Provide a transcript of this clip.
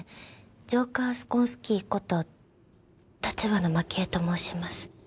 ジョーカー・スコンスキーこと城華マキエと申します。